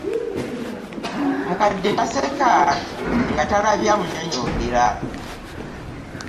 Mukadde taseka nga talabye amunyonyogera.